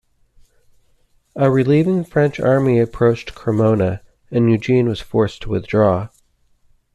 A relieving French army approached Cremona, and Eugene was forced to withdraw.